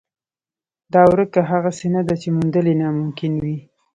دا ورکه هغسې نه ده چې موندل یې ناممکن وي.